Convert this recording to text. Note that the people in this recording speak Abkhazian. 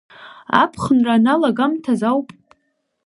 Аԥхынра аналагамҭаз ауп.